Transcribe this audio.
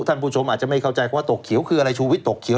บทธรรมพูดสมอาจจะไม่เข้าใจตกเขียวคือคืออะไร